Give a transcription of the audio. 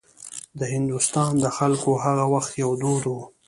د هندوستان د خلکو هغه وخت یو دود و.